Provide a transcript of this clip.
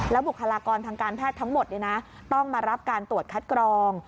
บุคลากรทางการแพทย์ทั้งหมดต้องมารับการตรวจคัดกรอง